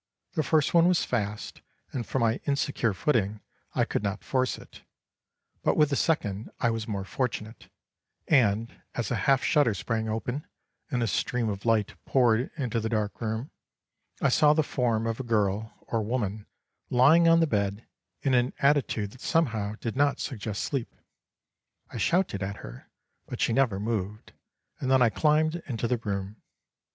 The first was fast, and from my insecure footing I could not force it; but with the second I was more fortunate, and as a half shutter sprang open, and a stream of light poured into the dark room, I saw the form of a girl, or woman, lying on the bed, in an attitude that somehow did not suggest sleep. I shouted at her, but she never moved, and then I climbed into the room.